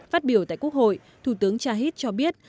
phát biểu tại quốc hội thủ tướng chahid cho biết